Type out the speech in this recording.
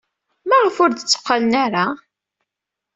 Maɣef ur d-tteqqalen ara?